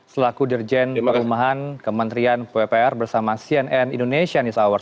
selaku dirjen perumahan kementerian pupr bersama cnn indonesia news hour